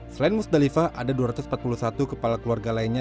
selain musdalifah ada dua ratus empat puluh satu kepala keluarga lainnya